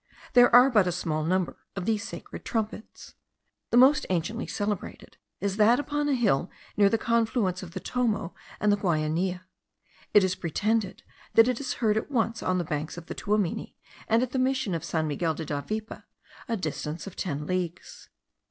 There are but a small number of these sacred trumpets. The most anciently celebrated is that upon a hill near the confluence of the Tomo and the Guainia. It is pretended, that it is heard at once on the banks of the Tuamini, and at the mission of San Miguel de Davipe, a distance of ten leagues.